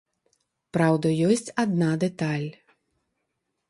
Праўда, ёсць адна дэталь.